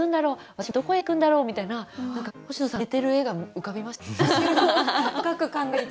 私はどこへ行くんだろう」みたいな何か星野さんが寝てる絵が浮かびました。